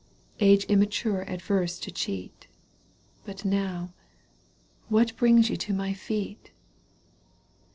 canto viir Age immature averse to cheat — But now — what brings you to my feet